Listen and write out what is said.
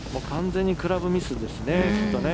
完全にクラブミスですね。